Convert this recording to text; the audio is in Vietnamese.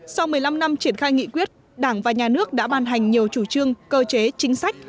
sau một mươi năm năm triển khai nghị quyết đảng và nhà nước đã ban hành nhiều chủ trương cơ chế chính sách